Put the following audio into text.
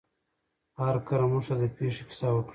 هارکر موږ ته د پیښې کیسه وکړه.